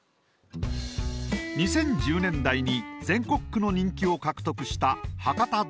２０１０年代に全国区の人気を獲得した博多大吉。